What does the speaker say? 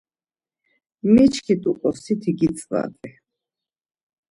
Miçkit̆uǩo siti gitzvart̆i.